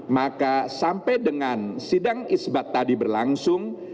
maka sampai dengan sidang isbat tadi berlangsung